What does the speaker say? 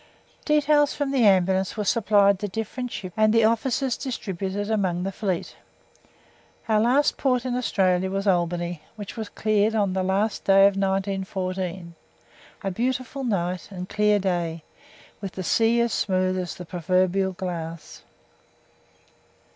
Details from the Ambulance were supplied to different ships and the officers distributed among the fleet. Our last port in Australia was Albany, which was cleared on the last day of 1914 a beautiful night and clear day, with the sea as smooth as the proverbial glass.